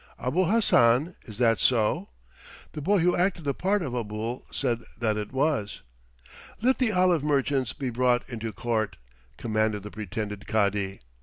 "Abul Hassan, is that so?" The boy who acted the part of Abul said that it was. "Let the olive merchants be brought into court," commanded the pretended Cadi.